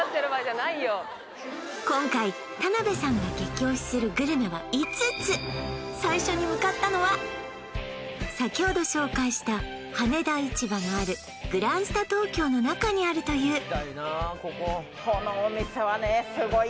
今回田辺さんが激推しするグルメは５つ最初に向かったのは先ほど紹介した羽田市場のあるグランスタ東京の中にあるという何？